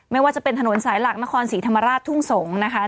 ไม่ว่าจะเป็นถนนสายหลักนครศรีธรรมราชทุ่งสงศ์นะคะ